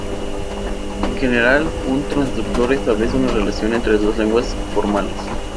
En general, un transductor establece una relación entre dos lenguajes formales.